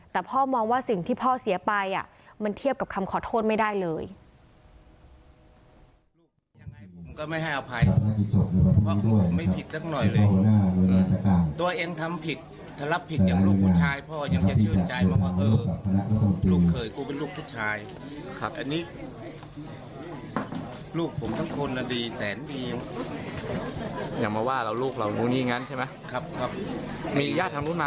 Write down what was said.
แต่พ่อมองว่าสิ่งที่พ่อเสียไปมันเทียบกับคำขอโทษไม่ได้เลย